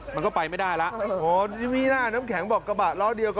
มันก็ไปไม่ได้ล่ะโอ้โหนี่มีหน้าน้ำแข็งบอกกระบาดล้อเดียวนะ